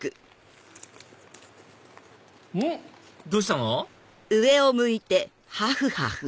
うん⁉どうしたの？